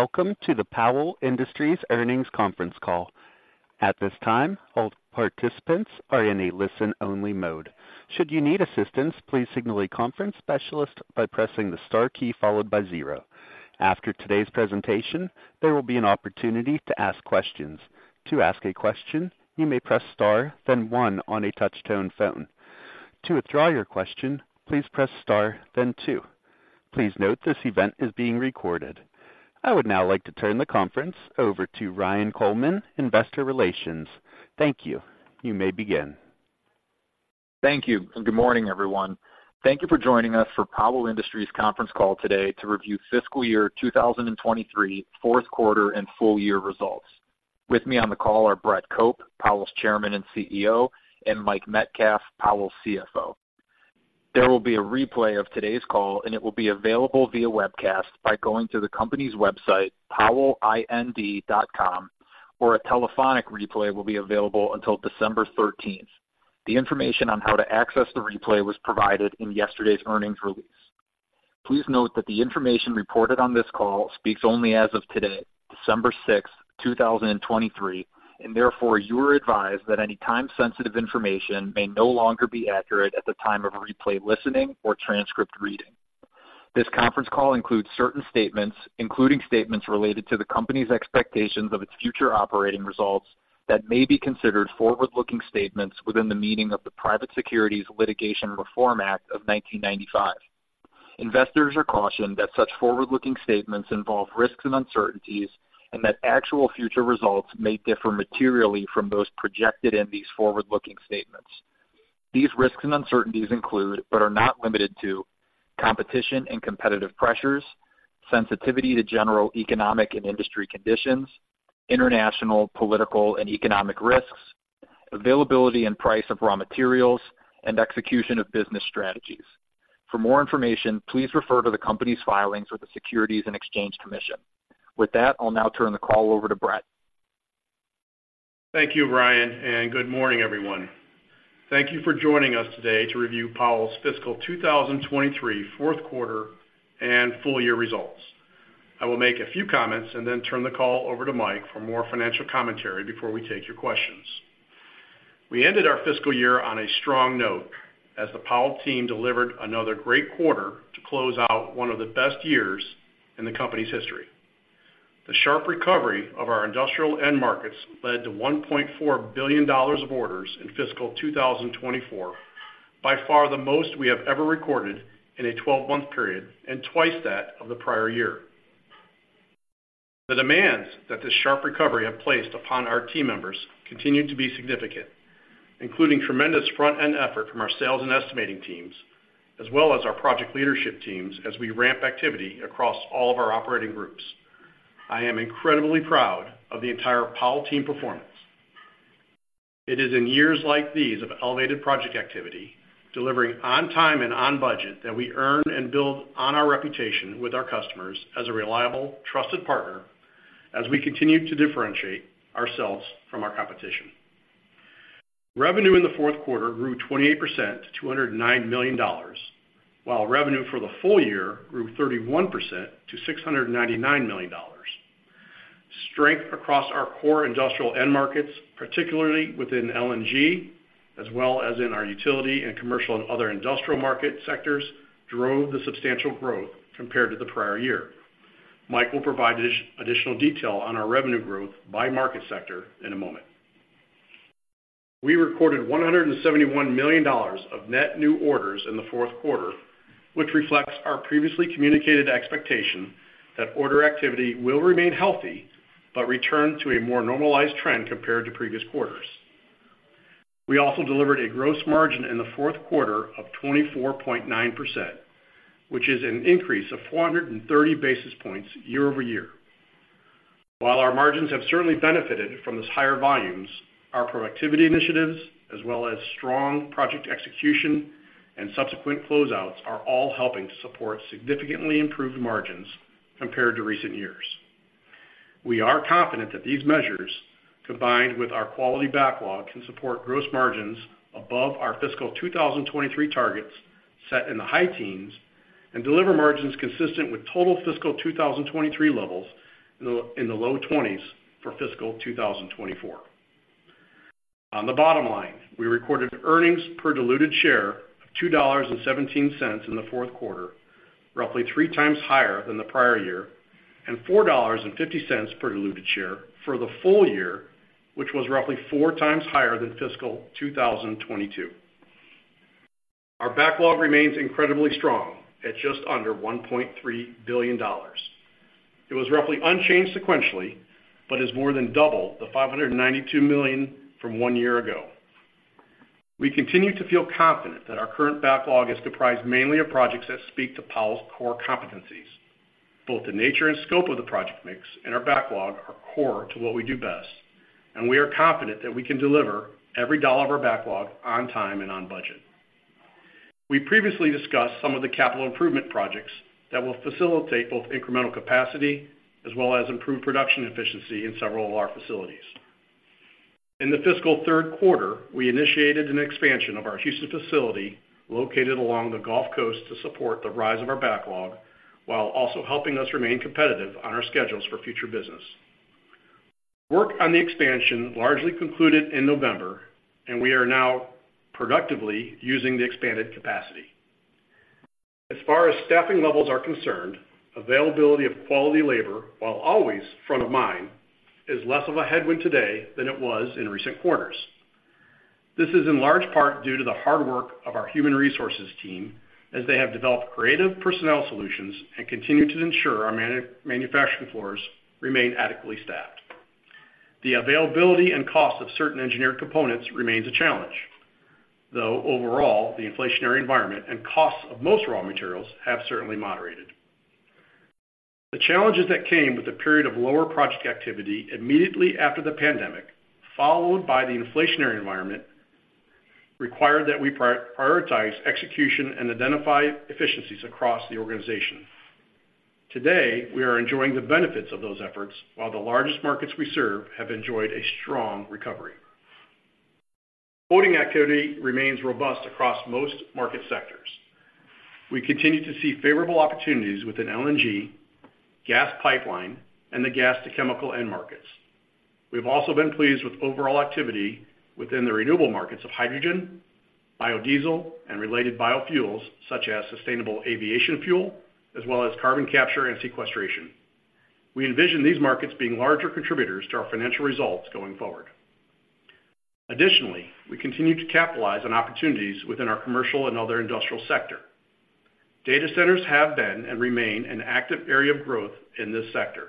Welcome to the Powell Industries Earnings Conference Call. At this time, all participants are in a listen-only mode. Should you need assistance, please signal a conference specialist by pressing the star key followed by zero. After today's presentation, there will be an opportunity to ask questions. To ask a question, you may press Star, then one on a touch-tone phone. To withdraw your question, please press Star, then two. Please note, this event is being recorded. I would now like to turn the conference over to Ryan Coleman, Investor Relations. Thank you. You may begin. Thank you, and good morning, everyone. Thank you for joining us for Powell Industries conference call today to review fiscal year 2023, fourth quarter and full year results. With me on the call are Brett Cope, Powell's Chairman and CEO, and Mike Metcalf, Powell's CFO. There will be a replay of today's call and it will be available via webcast by going to the company's website, powellind.com, or a telephonic replay will be available until December 13th. The information on how to access the replay was provided in yesterday's earnings release. Please note that the information reported on this call speaks only as of today, December 6th, 2023, and therefore you are advised that any time-sensitive information may no longer be accurate at the time of replay, listening, or transcript reading. This conference call includes certain statements, including statements related to the company's expectations of its future operating results that may be considered forward-looking statements within the meaning of the Private Securities Litigation Reform Act of 1995. Investors are cautioned that such forward-looking statements involve risks and uncertainties, and that actual future results may differ materially from those projected in these forward-looking statements. These risks and uncertainties include, but are not limited to, competition and competitive pressures, sensitivity to general economic and industry conditions, international, political and economic risks, availability and price of raw materials, and execution of business strategies. For more information, please refer to the company's filings with the Securities and Exchange Commission. With that, I'll now turn the call over to Brett. Thank you, Ryan, and good morning, everyone. Thank you for joining us today to review Powell's fiscal 2023 fourth quarter and full year results. I will make a few comments and then turn the call over to Mike for more financial commentary before we take your questions. We ended our fiscal year on a strong note as the Powell team delivered another great quarter to close out one of the best years in the company's history. The sharp recovery of our industrial end markets led to $1.4 billion of orders in fiscal 2024, by far the most we have ever recorded in a 12-month period and twice that of the prior year. The demands that this sharp recovery have placed upon our team members continued to be significant, including tremendous front-end effort from our sales and estimating teams, as well as our project leadership teams as we ramp activity across all of our operating groups. I am incredibly proud of the entire Powell team performance. It is in years like these of elevated project activity, delivering on time and on budget, that we earn and build on our reputation with our customers as a reliable, trusted partner, as we continue to differentiate ourselves from our competition. Revenue in the fourth quarter grew 28% to $209 million, while revenue for the full year grew 31% to $699 million. Strength across our core industrial end markets, particularly within LNG, as well as in our utility and commercial and other industrial market sectors, drove the substantial growth compared to the prior year. Mike will provide additional detail on our revenue growth by market sector in a moment. We recorded $171 million of net new orders in the fourth quarter, which reflects our previously communicated expectation that order activity will remain healthy, but return to a more normalized trend compared to previous quarters. We also delivered a gross margin in the fourth quarter of 24.9%, which is an increase of 430 basis points year-over-year. While our margins have certainly benefited from this higher volumes, our productivity initiatives, as well as strong project execution and subsequent closeouts, are all helping to support significantly improved margins compared to recent years. We are confident that these measures, combined with our quality backlog, can support gross margins above our fiscal 2023 targets set in the high teens and deliver margins consistent with total fiscal 2023 levels in the low 20s for fiscal 2024. On the bottom line, we recorded earnings per diluted share of $2.17 in the fourth quarter, roughly 3x higher than the prior year, and $4.50 per diluted share for the full year, which was roughly 4x higher than fiscal 2022. Our backlog remains incredibly strong at just under $1.3 billion. It was roughly unchanged sequentially, but is more than double the $592 million from one year ago. We continue to feel confident that our current backlog is comprised mainly of projects that speak to Powell's core competencies. Both the nature and scope of the project mix and our backlog are core to what we do best, and we are confident that we can deliver every dollar of our backlog on time and on budget. We previously discussed some of the capital improvement projects that will facilitate both incremental capacity as well as improved production efficiency in several of our facilities.... In the fiscal third quarter, we initiated an expansion of our Houston facility, located along the Gulf Coast, to support the rise of our backlog, while also helping us remain competitive on our schedules for future business. Work on the expansion largely concluded in November, and we are now productively using the expanded capacity. As far as staffing levels are concerned, availability of quality labor, while always front of mind, is less of a headwind today than it was in recent quarters. This is in large part due to the hard work of our human resources team, as they have developed creative personnel solutions and continue to ensure our manufacturing floors remain adequately staffed. The availability and cost of certain engineered components remains a challenge, though, overall, the inflationary environment and costs of most raw materials have certainly moderated. The challenges that came with the period of lower project activity immediately after the pandemic, followed by the inflationary environment, required that we prioritize execution and identify efficiencies across the organization. Today, we are enjoying the benefits of those efforts, while the largest markets we serve have enjoyed a strong recovery. Quoting activity remains robust across most market sectors. We continue to see favorable opportunities within LNG, gas pipeline, and the gas-to-chemical end markets. We've also been pleased with overall activity within the renewable markets of hydrogen, biodiesel, and related biofuels, such as sustainable aviation fuel, as well as carbon capture and sequestration. We envision these markets being larger contributors to our financial results going forward. Additionally, we continue to capitalize on opportunities within our commercial and other industrial sector. Data centers have been and remain an active area of growth in this sector.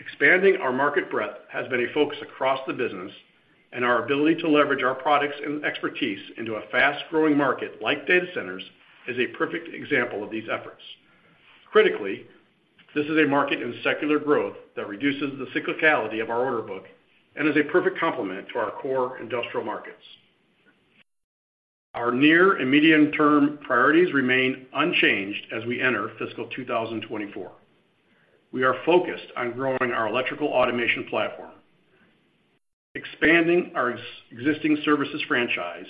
Expanding our market breadth has been a focus across the business, and our ability to leverage our products and expertise into a fast-growing market like data centers is a perfect example of these efforts. Critically, this is a market in secular growth that reduces the cyclicality of our order book and is a perfect complement to our core industrial markets. Our near- and medium-term priorities remain unchanged as we enter fiscal 2024. We are focused on growing our electrical automation platform, expanding our existing services franchise,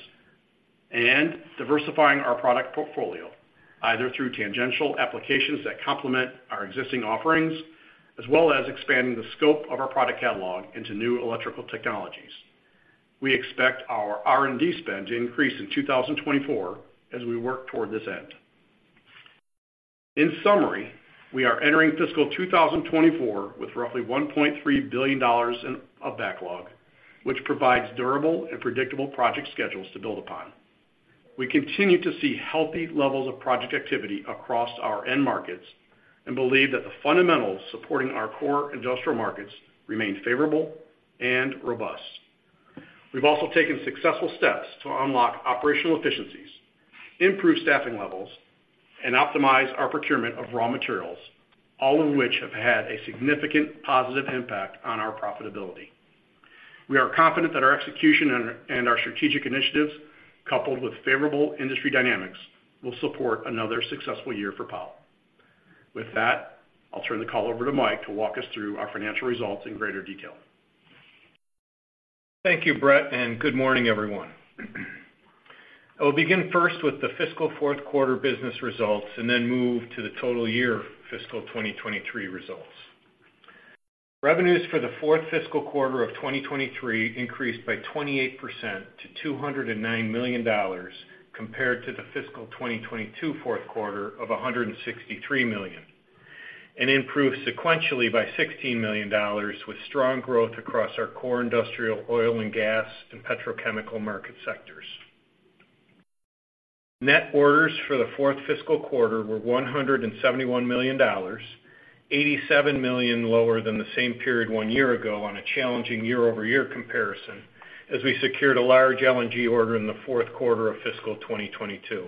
and diversifying our product portfolio, either through tangential applications that complement our existing offerings, as well as expanding the scope of our product catalog into new electrical technologies. We expect our R&D spend to increase in 2024 as we work toward this end. In summary, we are entering fiscal 2024 with roughly $1.3 billion in backlog, which provides durable and predictable project schedules to build upon. We continue to see healthy levels of project activity across our end markets and believe that the fundamentals supporting our core industrial markets remain favorable and robust. We've also taken successful steps to unlock operational efficiencies, improve staffing levels, and optimize our procurement of raw materials, all of which have had a significant positive impact on our profitability. We are confident that our execution and our strategic initiatives, coupled with favorable industry dynamics, will support another successful year for Powell. With that, I'll turn the call over to Mike to walk us through our financial results in greater detail. Thank you, Brett, and good morning, everyone. I will begin first with the fiscal fourth quarter business results and then move to the total year fiscal 2023 results. Revenues for the fourth fiscal quarter of 2023 increased by 28% to $209 million, compared to the fiscal 2022 fourth quarter of $163 million, and improved sequentially by $16 million, with strong growth across our core industrial, oil and gas, and petrochemical market sectors. Net orders for the fourth fiscal quarter were $171 million, $87 million lower than the same period one year ago on a challenging year-over-year comparison, as we secured a large LNG order in the fourth quarter of fiscal 2022.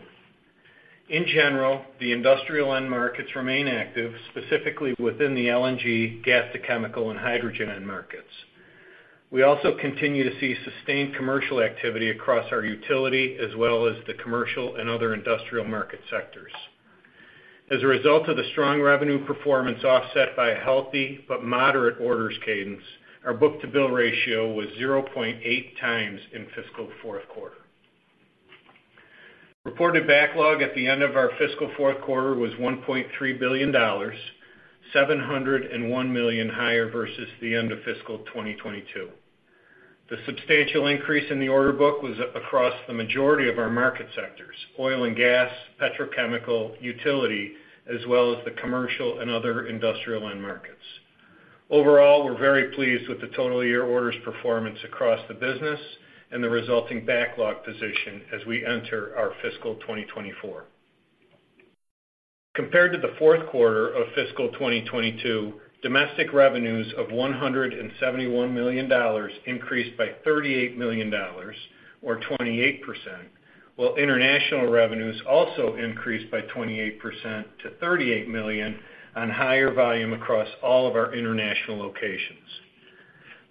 In general, the industrial end markets remain active, specifically within the LNG, gas to chemical, and hydrogen end markets. We also continue to see sustained commercial activity across our utility, as well as the commercial and other industrial market sectors. As a result of the strong revenue performance, offset by a healthy but moderate orders cadence, our book-to-bill ratio was 0.8x in fiscal fourth quarter. Reported backlog at the end of our fiscal fourth quarter was $1.3 billion, $701 million higher versus the end of fiscal 2022. The substantial increase in the order book was across the majority of our market sectors: oil and gas, petrochemical, utility, as well as the commercial and other industrial end markets. Overall, we're very pleased with the total year orders performance across the business and the resulting backlog position as we enter our fiscal 2024. Compared to the fourth quarter of fiscal 2022, domestic revenues of $171 million increased by $38 million, or 28%, while international revenues also increased by 28% to $38 million on higher volume across all of our international locations.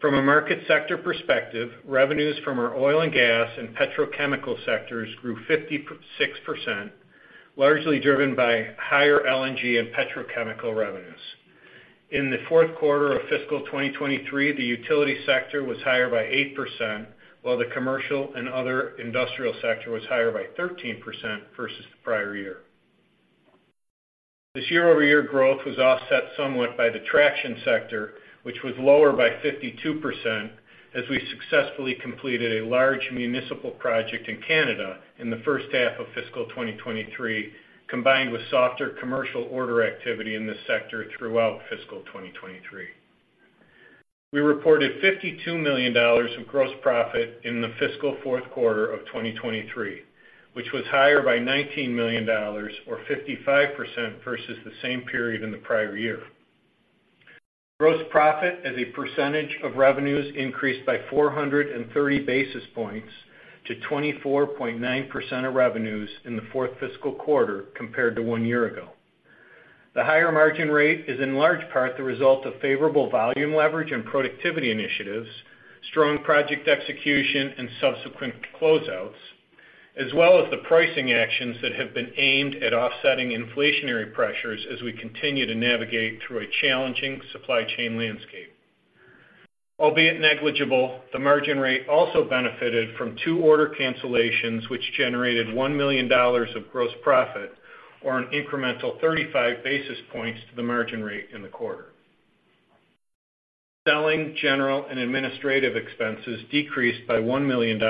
From a market sector perspective, revenues from our oil and gas and petrochemical sectors grew 56%, largely driven by higher LNG and petrochemical revenues. In the fourth quarter of fiscal 2023, the utility sector was higher by 8%, while the commercial and other industrial sector was higher by 13% versus the prior year. This year-over-year growth was offset somewhat by the traction sector, which was lower by 52%, as we successfully completed a large municipal project in Canada in the first half of fiscal 2023, combined with softer commercial order activity in this sector throughout fiscal 2023. We reported $52 million of gross profit in the fiscal fourth quarter of 2023, which was higher by $19 million or 55% versus the same period in the prior year. Gross profit as a percentage of revenues increased by 430 basis points to 24.9% of revenues in the fourth fiscal quarter compared to one year ago. The higher margin rate is in large part the result of favorable volume leverage and productivity initiatives, strong project execution and subsequent closeouts, as well as the pricing actions that have been aimed at offsetting inflationary pressures as we continue to navigate through a challenging supply chain landscape. Albeit negligible, the margin rate also benefited from two order cancellations, which generated $1 million of gross profit, or an incremental 35 basis points to the margin rate in the quarter. Selling, general, and administrative expenses decreased by $1 million,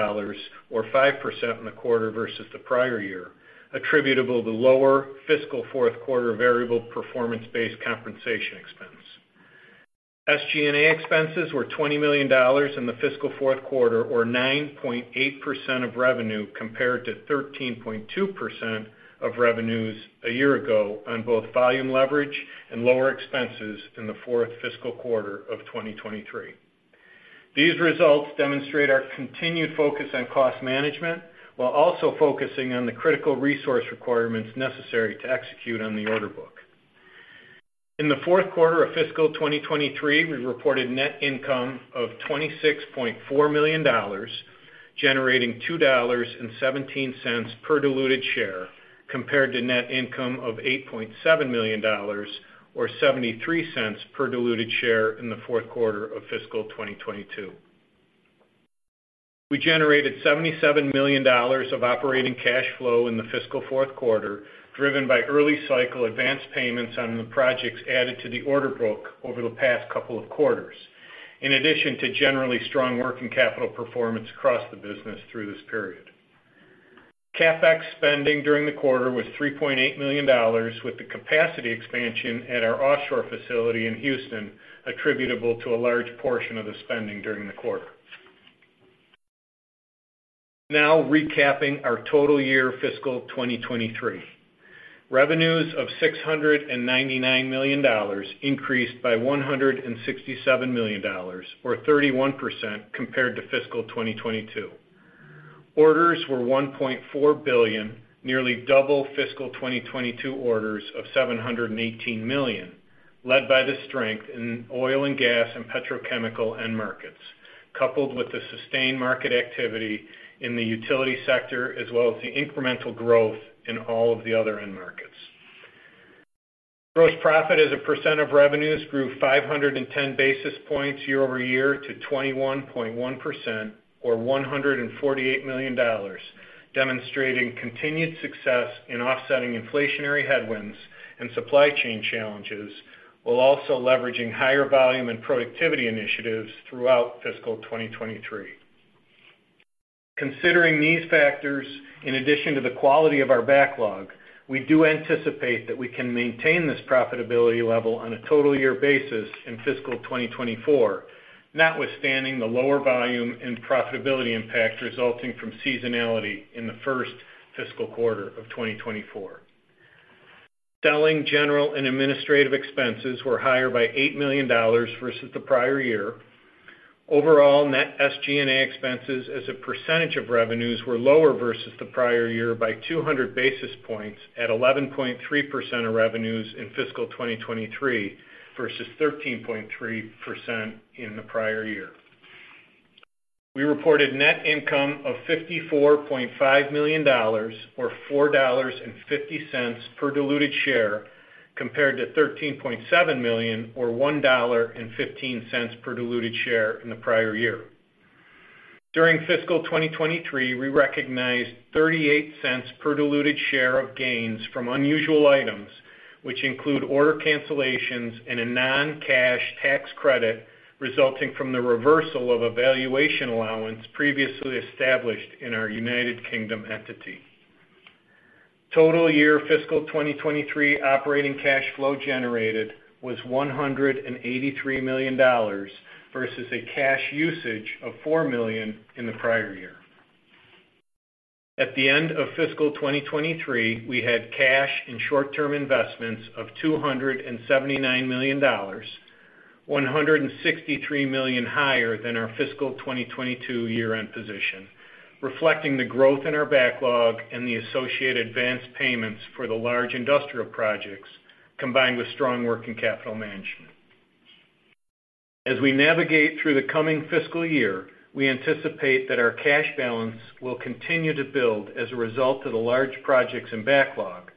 or 5% in the quarter versus the prior year, attributable to lower fiscal fourth quarter variable performance-based compensation expense. SG&A expenses were $20 million in the fiscal fourth quarter, or 9.8% of revenue, compared to 13.2% of revenues a year ago on both volume leverage and lower expenses in the fourth fiscal quarter of 2023. These results demonstrate our continued focus on cost management, while also focusing on the critical resource requirements necessary to execute on the order book. In the fourth quarter of fiscal 2023, we reported net income of $26.4 million, generating $2.17 per diluted share, compared to net income of $8.7 million, or $0.73 per diluted share in the fourth quarter of fiscal 2022. We generated $77 million of operating cash flow in the fiscal fourth quarter, driven by early cycle advanced payments on the projects added to the order book over the past couple of quarters, in addition to generally strong working capital performance across the business through this period. CapEx spending during the quarter was $3.8 million, with the capacity expansion at our offshore facility in Houston, attributable to a large portion of the spending during the quarter. Now recapping our total year fiscal 2023. Revenues of $699 million increased by $167 million, or 31% compared to fiscal 2022. Orders were $1.4 billion, nearly double fiscal 2022 orders of $718 million, led by the strength in oil and gas and petrochemical end markets, coupled with the sustained market activity in the utility sector, as well as the incremental growth in all of the other end markets. Gross profit as a percent of revenues grew 510 basis points year-over-year to 21.1%, or $148 million, demonstrating continued success in offsetting inflationary headwinds and supply chain challenges, while also leveraging higher volume and productivity initiatives throughout fiscal 2023. Considering these factors, in addition to the quality of our backlog, we do anticipate that we can maintain this profitability level on a total year basis in fiscal 2024, notwithstanding the lower volume and profitability impact resulting from seasonality in the first fiscal quarter of 2024. Selling, general, and administrative expenses were higher by $8 million versus the prior year. Overall, net SG&A expenses as a percentage of revenues were lower versus the prior year by 200 basis points at 11.3% of revenues in fiscal 2023 versus 13.3% in the prior year. We reported net income of $54.5 million, or $4.50 per diluted share, compared to $13.7 million, or $1.15 per diluted share in the prior year. During fiscal 2023, we recognized 38 cents per diluted share of gains from unusual items, which include order cancellations and a non-cash tax credit resulting from the reversal of a valuation allowance previously established in our United Kingdom entity. Total year fiscal 2023 operating cash flow generated was $183 million, versus a cash usage of $4 million in the prior year. At the end of fiscal 2023, we had cash and short-term investments of $279 million, $163 million higher than our fiscal 2022 year-end position, reflecting the growth in our backlog and the associated advanced payments for the large industrial projects, combined with strong working capital management. As we navigate through the coming fiscal year, we anticipate that our cash balance will continue to build as a result of the large projects in backlog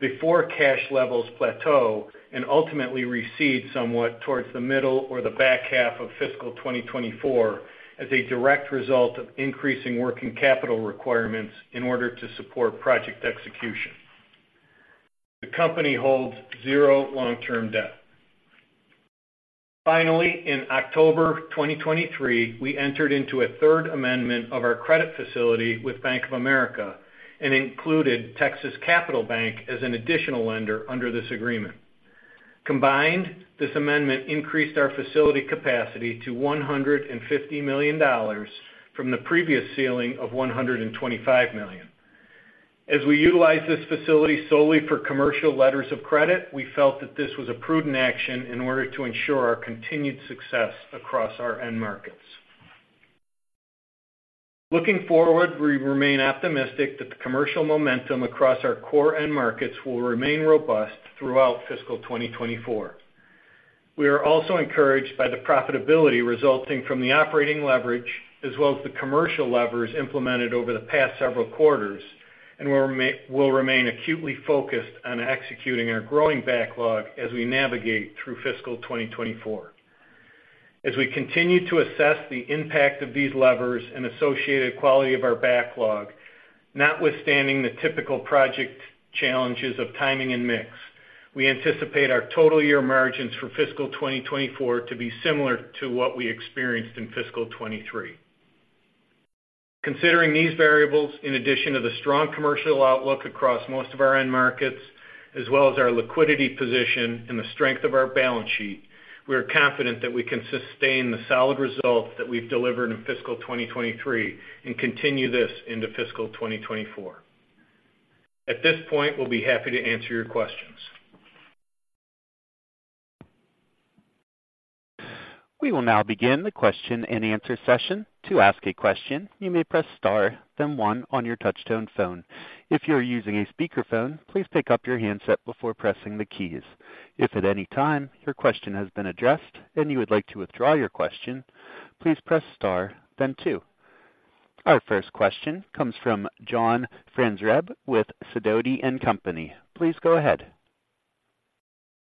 before cash levels plateau and ultimately recede somewhat towards the middle or the back half of fiscal 2024, as a direct result of increasing working capital requirements in order to support project execution. The company holds 0 long-term debt. Finally, in October 2023, we entered into a third amendment of our credit facility with Bank of America and included Texas Capital Bank as an additional lender under this agreement. Combined, this amendment increased our facility capacity to $150 million from the previous ceiling of $125 million. As we utilize this facility solely for commercial letters of credit, we felt that this was a prudent action in order to ensure our continued success across our end markets. Looking forward, we remain optimistic that the commercial momentum across our core end markets will remain robust throughout fiscal 2024. We are also encouraged by the profitability resulting from the operating leverage, as well as the commercial levers implemented over the past several quarters, and we'll remain acutely focused on executing our growing backlog as we navigate through fiscal 2024. As we continue to assess the impact of these levers and associated quality of our backlog, notwithstanding the typical project challenges of timing and mix, we anticipate our total year margins for fiscal 2024 to be similar to what we experienced in fiscal 2023. Considering these variables, in addition to the strong commercial outlook across most of our end markets, as well as our liquidity position and the strength of our balance sheet, we are confident that we can sustain the solid results that we've delivered in fiscal 2023 and continue this into fiscal 2024. At this point, we'll be happy to answer your questions. We will now begin the question-and-answer session. To ask a question, you may press Star, then one on your touchtone phone. If you're using a speakerphone, please pick up your handset before pressing the keys. If at any time your question has been addressed and you would like to withdraw your question, please press Star then two. Our first question comes from John Franzreb with Sidoti & Company. Please go ahead.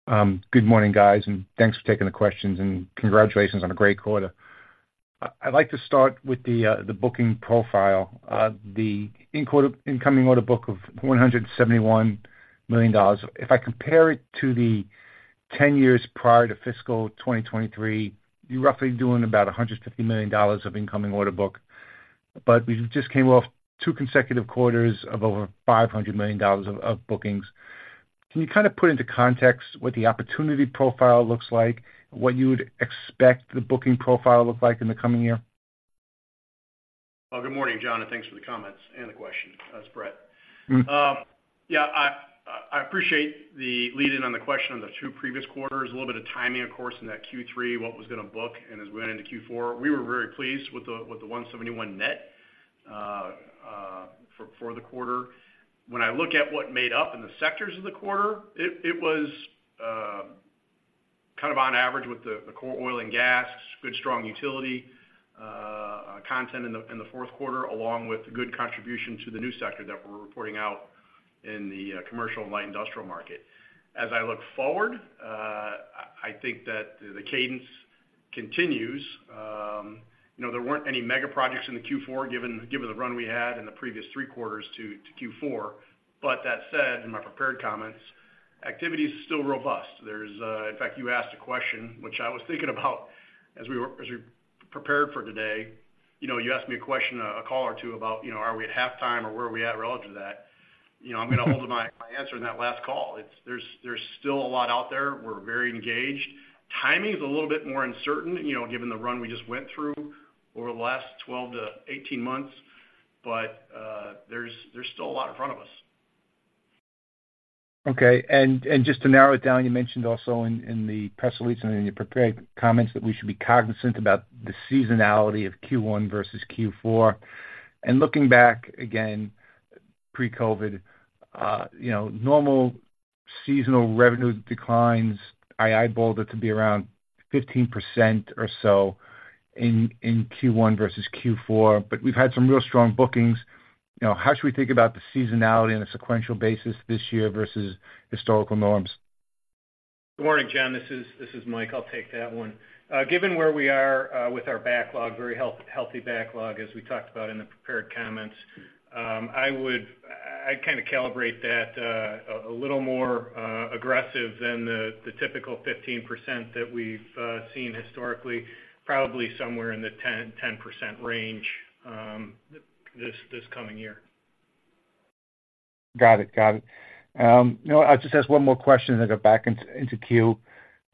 Good morning, guys, and thanks for taking the questions, and congratulations on a great quarter. I'd like to start with the booking profile. The incoming order book of $171 million. If I compare it to the 10 years prior to fiscal 2023, you're roughly doing about $150 million of incoming order book. But we just came off two consecutive quarters of over $500 million of bookings. Can you kind of put into context what the opportunity profile looks like, what you would expect the booking profile to look like in the coming year? Well, good morning, John, and thanks for the comments and the questions. It's Brett. Mm-hmm. Yeah, I appreciate the lead in on the question on the two previous quarters. A little bit of timing, of course, in that Q3, what was gonna book, and as we went into Q4, we were very pleased with the $171 net for the quarter. When I look at what made up in the sectors of the quarter, it was kind of on average with the core oil and gas, good, strong utility content in the fourth quarter, along with good contribution to the new sector that we're reporting out in the commercial and light industrial market. As I look forward, I think that the cadence continues. You know, there weren't any mega projects in the Q4, given the run we had in the previous three quarters to Q4. But that said, in my prepared comments, activity is still robust. There's. In fact, you asked a question, which I was thinking about as we were—as we prepared for today. You know, you asked me a question, a call or two about, you know, are we at halftime or where are we at relative to that? You know, I'm gonna hold to my, my answer in that last call. It's—there's, there's still a lot out there. We're very engaged. Timing is a little bit more uncertain, you know, given the run we just went through over the last 12-18 months, but, there's, there's still a lot in front of us. Okay. And just to narrow it down, you mentioned also in the press release and in your prepared comments, that we should be cognizant about the seasonality of Q1 versus Q4. And looking back again, pre-COVID, you know, normal seasonal revenue declines, I eyeballed it to be around 15% or so in Q1 versus Q4, but we've had some real strong bookings. You know, how should we think about the seasonality on a sequential basis this year versus historical norms? Good morning, John. This is Mike. I'll take that one. Given where we are with our backlog, very healthy backlog, as we talked about in the prepared comments, I would kind of calibrate that a little more aggressive than the typical 15% that we've seen historically, probably somewhere in the 10% range, this coming year. Got it. Got it. You know, I'll just ask one more question, then I go back into queue.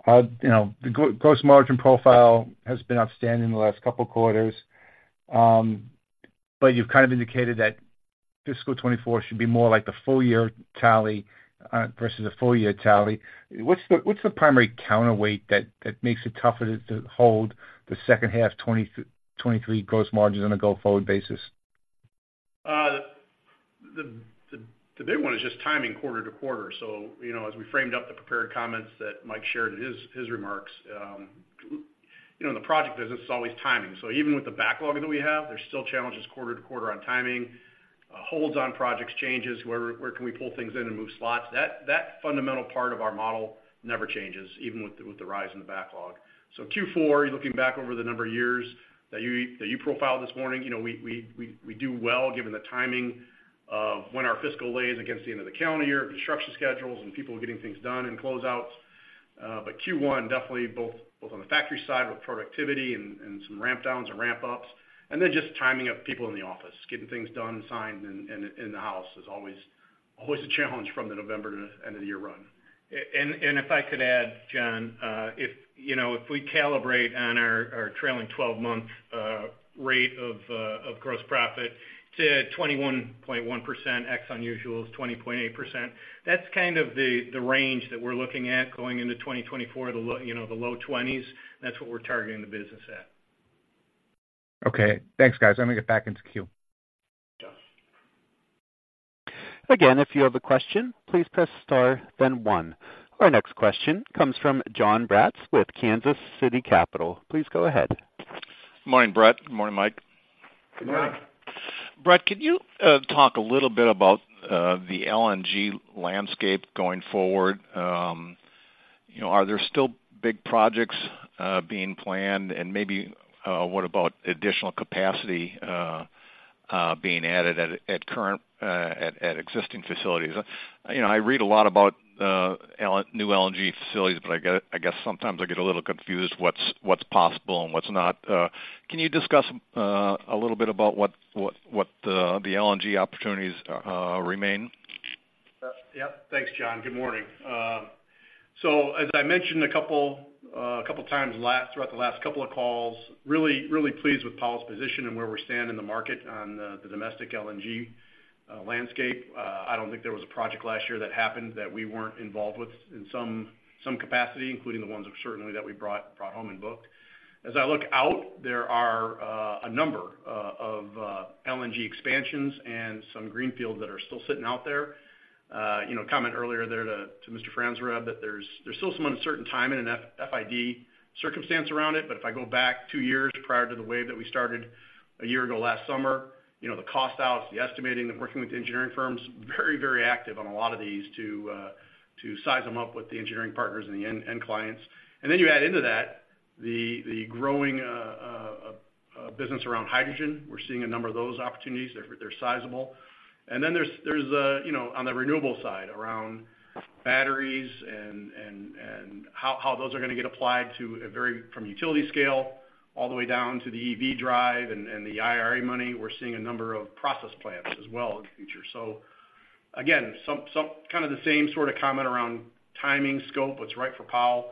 You know, the gross margin profile has been outstanding in the last couple of quarters, but you've kind of indicated that fiscal 2024 should be more like the full year tally versus the full year tally. What's the primary counterweight that makes it tougher to hold the second half 2023 gross margins on a go-forward basis?... the big one is just timing quarter to quarter. So, you know, as we framed up the prepared comments that Mike shared in his remarks, you know, in the project business, it's always timing. So even with the backlog that we have, there's still challenges quarter to quarter on timing, holds on projects, changes, where can we pull things in and move slots? That fundamental part of our model never changes, even with the rise in the backlog. So Q4, you're looking back over the number of years that you profiled this morning, you know, we do well, given the timing of when our fiscal lays against the end of the calendar year, construction schedules, and people are getting things done and closeouts. But Q1, definitely both on the factory side with productivity and some ramp downs and ramp ups, and then just timing of people in the office, getting things done, signed, and in the house is always a challenge from November to end of the year run. And if I could add, John, you know, if we calibrate on our trailing 12-month rate of gross profit to 21.1%, ex unusual is 20.8%, that's kind of the range that we're looking at going into 2024, you know, the low 20s. That's what we're targeting the business at. Okay, thanks, guys. I'm going to get back into queue. Again, if you have a question, please press star, then one. Our next question comes from Jon Braatz, with Kansas City Capital. Please go ahead. Good morning, Brett. Good morning, Mike. Good morning. Good morning. Brett, can you talk a little bit about the LNG landscape going forward? You know, are there still big projects being planned? And maybe what about additional capacity being added at current at existing facilities? You know, I read a lot about new LNG facilities, but I get—I guess, sometimes I get a little confused what's possible and what's not. Can you discuss a little bit about what the LNG opportunities remain? Yep. Thanks, John. Good morning. So as I mentioned a couple times throughout the last couple of calls, really, really pleased with Powell's position and where we stand in the market on the domestic LNG landscape. I don't think there was a project last year that happened that we weren't involved with in some capacity, including the ones certainly that we brought home and booked. As I look out, there are a number of LNG expansions and some greenfield that are still sitting out there. You know, comment earlier there to Mr. Franzreb that there's still some uncertain time in an FID circumstance around it. But if I go back two years prior to the wave that we started a year ago last summer, you know, the cost outs, the estimating, the working with engineering firms, very, very active on a lot of these to size them up with the engineering partners and the end clients. And then you add into that, the growing business around hydrogen. We're seeing a number of those opportunities. They're sizable. And then there's a, you know, on the renewable side, around batteries and how those are going to get applied to a very, from utility scale, all the way down to the EV drive and the IRA money. We're seeing a number of process plants as well in the future. So again, some kind of the same sort of comment around timing, scope, what's right for Powell.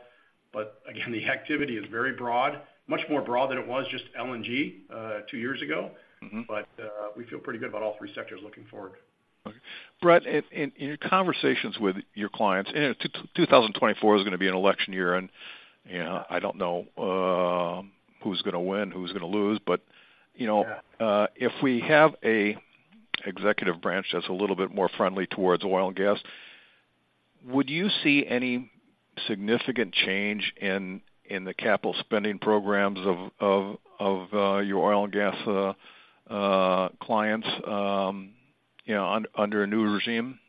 But again, the activity is very broad, much more broad than it was just LNG, two years ago. Mm-hmm. We feel pretty good about all three sectors looking forward. Okay. Brett, in your conversations with your clients, and 2024 is going to be an election year, and, you know, I don't know who's going to win, who's going to lose, but, you know- Yeah If we have a executive branch that's a little bit more friendly towards oil and gas, would you see any significant change in the capital spending programs of your oil and gas clients, you know, under a new regime?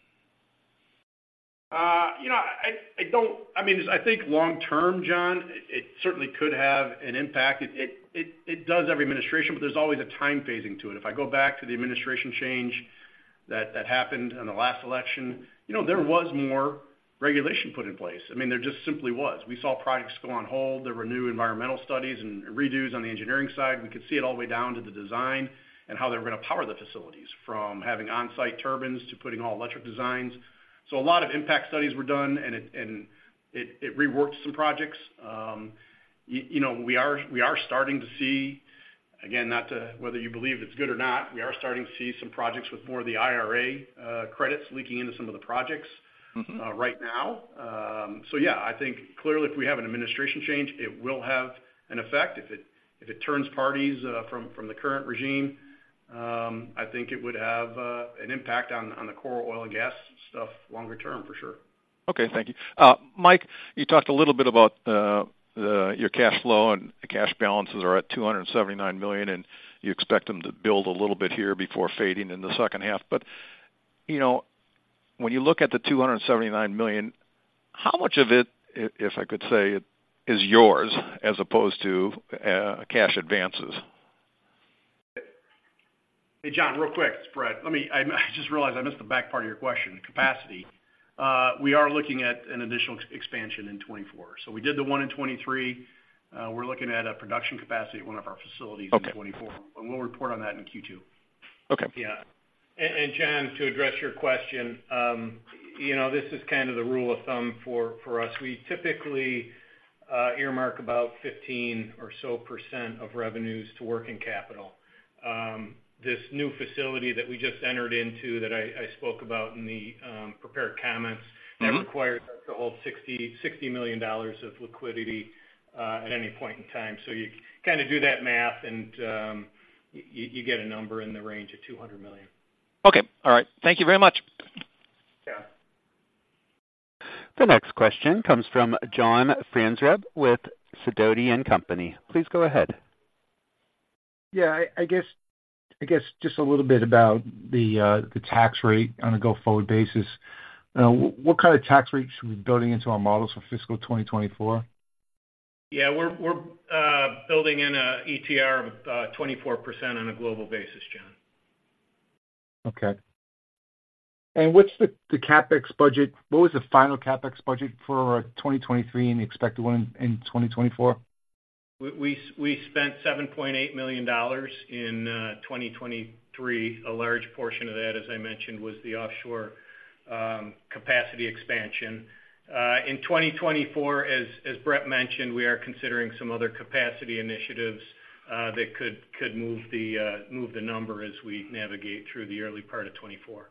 You know, I don't—I mean, I think long term, John, it does every administration, but there's always a time phasing to it. If I go back to the administration change that happened in the last election, you know, there was more regulation put in place. I mean, there just simply was. We saw projects go on hold. There were new environmental studies and redos on the engineering side. We could see it all the way down to the design and how they were going to power the facilities, from having on-site turbines to putting all electric designs. So a lot of impact studies were done, and it reworked some projects. You know, we are, we are starting to see, again, not to whether you believe it's good or not, we are starting to see some projects with more of the IRA credits leaking into some of the projects- Mm-hmm... right now. So yeah, I think clearly, if we have an administration change, it will have an effect. If it turns parties from the current regime, I think it would have an impact on the core oil and gas stuff longer term, for sure. Okay, thank you. Mike, you talked a little bit about your cash flow and the cash balances are at $279 million, and you expect them to build a little bit here before fading in the second half. But, you know, when you look at the $279 million, how much of it, if I could say, is yours as opposed to cash advances? Hey, John, real quick. It's Brett. Let me, I, I just realized I missed the back part of your question, capacity. We are looking at an additional expansion in 2024. So we did the one in 2023. We're looking at a production capacity at one of our facilities. Okay... in 2024, and we'll report on that in Q2. Okay. Yeah. And John, to address your question, you know, this is kind of the rule of thumb for us. We typically earmark about 15% or so of revenues to working capital. This new facility that we just entered into, that I spoke about in the prepared comments- Mm-hmm... that requires us to hold $60 million of liquidity at any point in time. So you kind of do that math, and you get a number in the range of $200 million. Okay. All right. Thank you very much. The next question comes from John Franzreb with Sidoti & Company. Please go ahead. Yeah, I guess just a little bit about the tax rate on a go-forward basis. What kind of tax rate should we be building into our models for fiscal 2024? Yeah, we're building in a ETR of 24% on a global basis, John. Okay. And what's the CapEx budget? What was the final CapEx budget for 2023 and the expected one in 2024? We spent $7.8 million in 2023. A large portion of that, as I mentioned, was the offshore capacity expansion. In 2024, as Brett mentioned, we are considering some other capacity initiatives that could move the number as we navigate through the early part of 2024.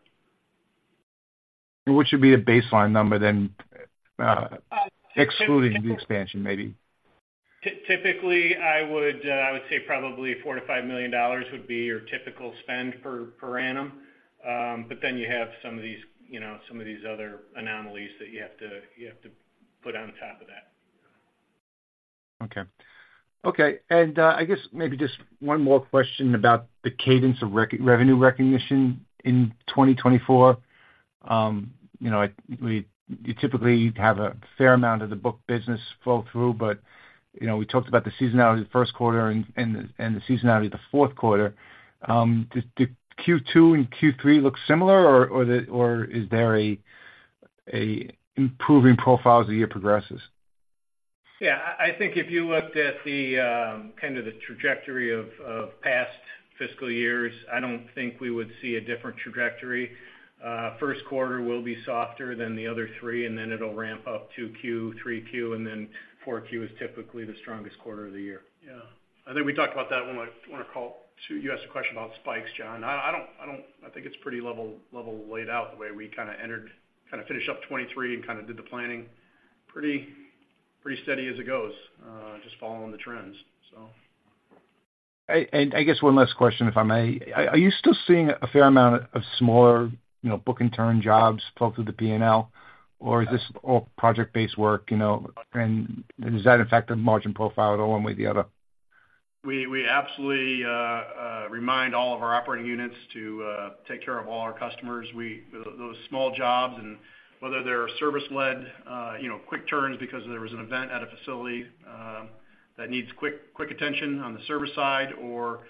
What should be a baseline number then, excluding the expansion, maybe? Typically, I would say probably $4 million-$5 million would be your typical spend per annum. But then you have some of these, you know, some of these other anomalies that you have to put on top of that. Okay. Okay, and I guess maybe just one more question about the cadence of revenue recognition in 2024. You know, you typically have a fair amount of the book business flow through, but you know, we talked about the seasonality of the first quarter and the seasonality of the fourth quarter. Did Q2 and Q3 look similar, or is there an improving profile as the year progresses? Yeah, I, I think if you looked at the, kind of the trajectory of past fiscal years, I don't think we would see a different trajectory. First quarter will be softer than the other three, and then it'll ramp up to Q3, Q4, and then Q4 is typically the strongest quarter of the year. Yeah, I think we talked about that when we want to call... So you asked a question about spikes, John. I, I don't, I don't—I think it's pretty level, level laid out the way we kind of entered, kind of finished up 2023 and kind of did the planning. Pretty, pretty steady as it goes, just following the trends, so. I, and I guess one last question, if I may. Are you still seeing a fair amount of smaller, you know, book and turn jobs flow through the P&L, or is this all project-based work, you know? And does that affect the margin profile at all one way or the other? We absolutely remind all of our operating units to take care of all our customers. Those small jobs and whether they're service-led, you know, quick turns because there was an event at a facility that needs quick attention on the service side or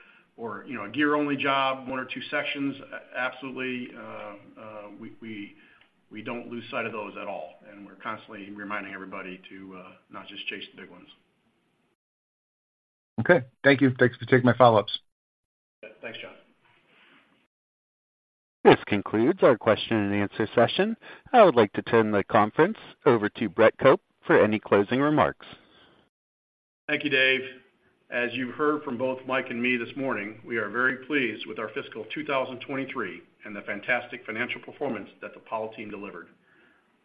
you know, a gear-only job, one or two sections, absolutely, we don't lose sight of those at all, and we're constantly reminding everybody to not just chase the big ones. Okay. Thank you. Thanks for taking my follow-ups. Thanks, John. This concludes our question and answer session. I would like to turn the conference over to Brett Cope for any closing remarks. Thank you, Dave. As you've heard from both Mike and me this morning, we are very pleased with our fiscal 2023 and the fantastic financial performance that the Powell team delivered.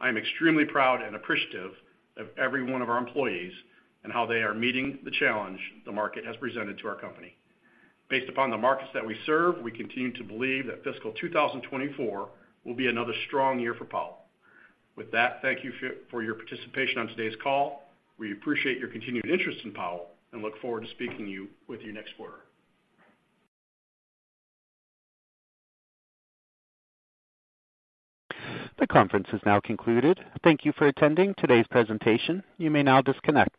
I am extremely proud and appreciative of every one of our employees and how they are meeting the challenge the market has presented to our company. Based upon the markets that we serve, we continue to believe that fiscal 2024 will be another strong year for Powell. With that, thank you for your participation on today's call. We appreciate your continued interest in Powell and look forward to speaking with you next quarter. The conference is now concluded. Thank you for attending today's presentation. You may now disconnect.